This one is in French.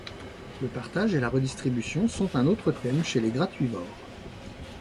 Le partage et la redistribution sont un autre thème chez les gratuivores.